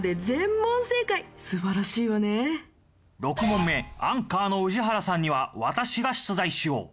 ６問目アンカーの宇治原さんには私が出題しよう。